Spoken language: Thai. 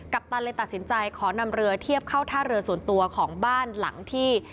ปตันเลยตัดสินใจขอนำเรือเทียบเข้าท่าเรือส่วนตัวของบ้านหลังที่